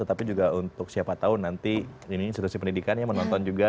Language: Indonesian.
tetapi juga untuk siapa tahu nanti institusi pendidikan yang menonton juga